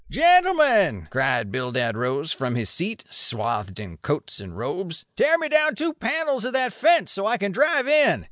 "Gentlemen," cried Bildad Rose from his seat, swathed in coats and robes, "tear me down two panels of that fence, so I can drive in.